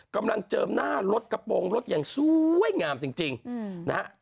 เจิมหน้ารถกระโปรงรถอย่างสวยงามจริงนะฮะ